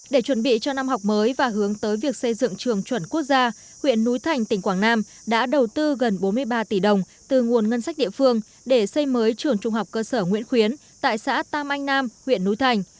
để chuẩn bị cho năm học mới và hướng tới việc xây dựng trường chuẩn quốc gia huyện núi thành tỉnh quảng nam đã đầu tư gần bốn mươi ba tỷ đồng từ nguồn ngân sách địa phương để xây mới trường trung học cơ sở nguyễn khuyến tại xã tam anh nam huyện núi thành